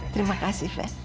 terima kasih fen